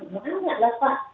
masih banyak lah pak